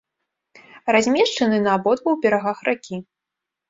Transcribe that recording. Размешчаны на абодвух берагах ракі.